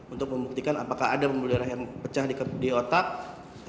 untuk membuktikan apakah ada pembuluh darah yang pecah di kepala yang pecah